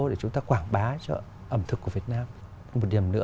để chúng ta quảng bá cho ẩm thực của việt nam